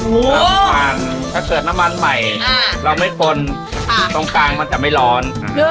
เติมน้ำมันถ้าเกิดน้ำมันใหม่เราไม่ปนตรงกลางมันจะไม่ร้อน